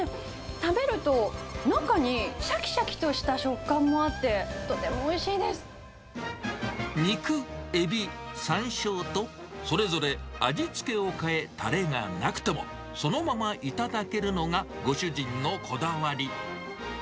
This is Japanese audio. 食べると中にしゃきしゃきとした食感があって、とてもおいしいで肉、海老、山椒と、それぞれ味付けを変え、タレがなくてもそのまま頂けるのがご主人のこだわり。